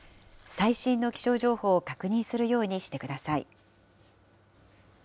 最新の気象情報を確認するようにしてください。